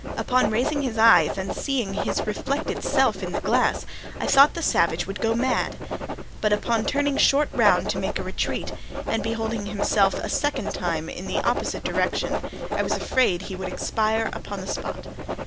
Upon raising his eyes and seeing his reflected self in the glass, I thought the savage would go mad; but, upon turning short round to make a retreat, and beholding himself a second time in the opposite direction, I was afraid he would expire upon the spot.